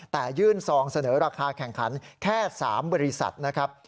แต่ยื่นซองเสนอราคาแข่งขันแค่๓บริษัทนะครับ